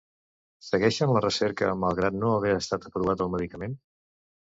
Segueixen la recerca malgrat no haver estat aprovat el medicament?